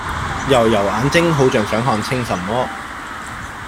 揉揉眼睛好像想看清什麼